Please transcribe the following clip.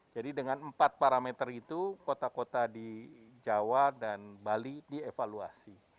jadi dengan empat parameter itu kota kota di jawa dan bali dievaluasi